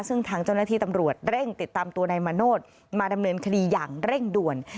ซึ่งทางเจ้าหน้าที่ตำรวจเร่งติดตามตัวนายมาโนธมาดำเนินคดีอย่างเร่งด่วน